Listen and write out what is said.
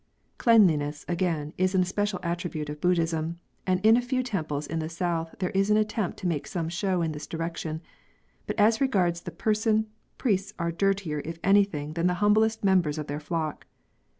Cleanliness, again, is an especial attribute of Buddhism, and in a few temples in the south there is an attempt to make some show in this direction ; but as regards the person, priests are dirtier if anything than the humblest members of their flock.